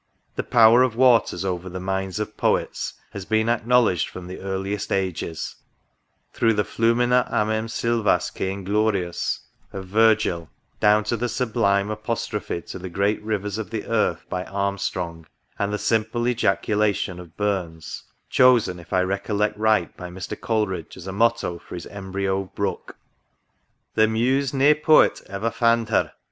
The power of waters over the minds of Poets has been acknowledged from the earliest ages ;— through the *' Flumina amem sylvas que inglorius" of Virgil, down to the sublime apostrophe to the great rivers of the earth, by Armstrong, and the simple ejaculation of Burns, (chosen, if I recollect right, by Mr. Coleridge, as a motto for his embryo " Brook") " The Muse nae Poet ever fand her.